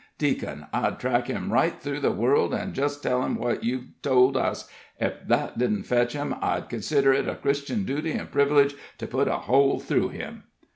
Deacon, I'd track him right through the world, an' just tell him what you've told us. Ef that didn't fetch him, I'd consider it a Christian duty an' privilege to put a hole through him."